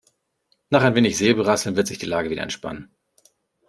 Nach ein wenig Säbelrasseln wird sich die Lage wieder entspannen.